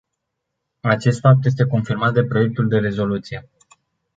Acest fapt este confirmat de proiectul de rezoluție.